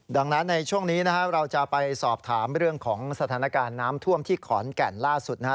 ดังนั้นในช่วงนี้นะครับเราจะไปสอบถามเรื่องของสถานการณ์น้ำท่วมที่ขอนแก่นล่าสุดนะฮะ